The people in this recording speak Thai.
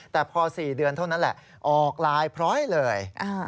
แต่พอ๔เดือนเท่านั้นแหละออกไลน์พร้อยเลย